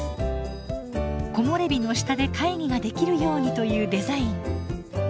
木漏れ日の下で会議ができるようにというデザイン。